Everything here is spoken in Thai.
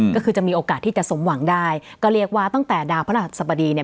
ก็คือจะมีโอกาสที่จะสมหวังได้ก็เรียกว่าตั้งแต่ดาวพระราชสบดีเนี่ย